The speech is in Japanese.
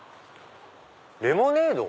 「レモネード」？